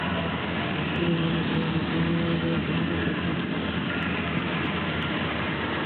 তিনি মালয়েশিয়ার রাজার সঙ্গে সাক্ষাৎ করেন এবং একটি রাষ্ট্রীয় ভোজে অংশ নেন।